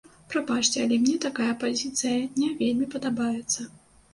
Прабачце, але мне такая пазіцыя не вельмі падабаецца.